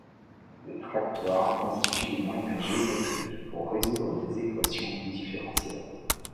Les tractoires constituent des moyens géométriques pour résoudre des équations différentielles.